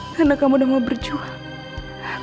karena kamu sudah mau berjuang